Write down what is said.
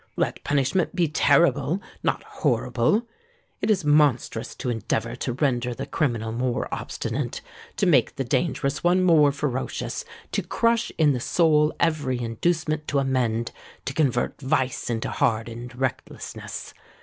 Let punishment be terrible—not horrible. It is monstrous to endeavour to render the criminal more obstinate—to make the dangerous one more ferocious—to crush in the soul every inducement to amend—to convert vice into hardened recklessness.